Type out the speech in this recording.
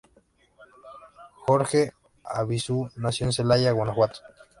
Jorge Arvizu nació en Celaya, Guanajuato.